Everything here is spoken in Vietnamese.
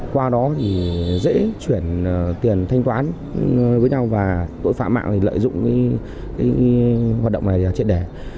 qua đó thì dễ chuyển tiền thanh toán với nhau và tội phạm mạng thì lợi dụng hoạt động này triệt đẻ